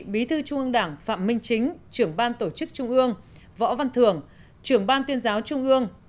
bí thư trung ương đảng phạm minh chính trưởng ban tổ chức trung ương võ văn thường trưởng ban tuyên giáo trung ương